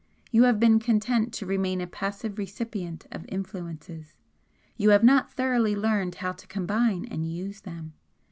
You have been content to remain a passive recipient of influences you have not thoroughly learned how to combine and use them.